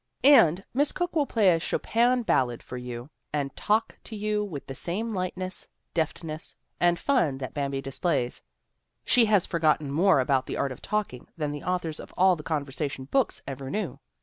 And Miss Cooke will play a Chopin ballade for you and talk to you with the same lightness, deftness, and fun that Bambi displays. She has forgotten more about the art of talking than the authors of all the conver sation books ever knew.